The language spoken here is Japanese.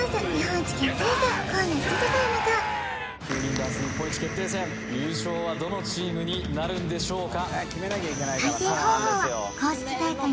ダンス日本一決定戦優勝はどのチームになるんでしょうか？